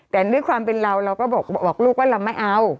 แต่ด้วยความเป็นเราเราก็บอกลูกว่าเราไม่เอา